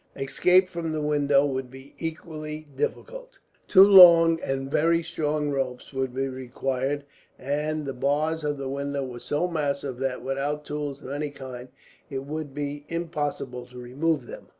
Escape from the window would be equally difficult. Two long and very strong ropes would be required, and the bars of the window were so massive that, without tools of any kind, it would be impossible to remove them.